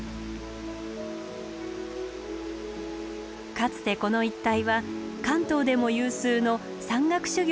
かつてこの一帯は関東でも有数の山岳修行の道場でした。